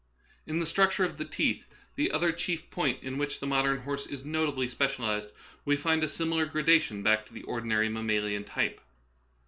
In the structure of the teeth — the other chief point in which the modern horse is notably spe cialized — we find a similar gradation back to the ordinary mammalian type.